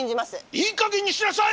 いいかげんにしなさい！